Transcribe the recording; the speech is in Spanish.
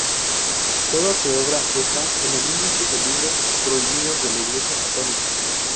Toda su obra está en el Índice de Libros Prohibidos de la Iglesia católica.